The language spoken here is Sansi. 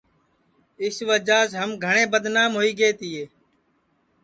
اِس وجعہ سے ہم گھٹؔے بدنام ہوئی گئے تیے